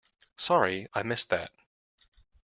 Sorry, I missed that.